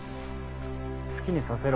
好きにさせろ。